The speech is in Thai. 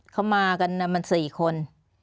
เขามากันมัน๔คน